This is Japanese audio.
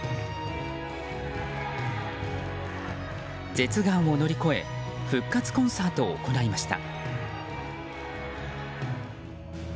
舌がんを乗り越え復活コンサートを行いました。